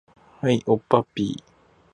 はい、おっぱっぴー